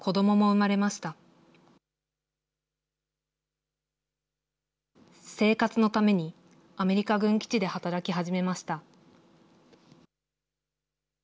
生活のために、アメリカ軍基地で働き始めました。